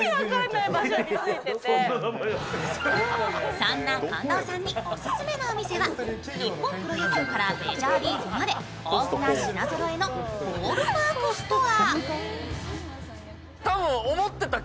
そんな近藤さんにお勧めのお店は日本プロ野球からメジャーリーグまで豊富な品揃えのボールパークストア。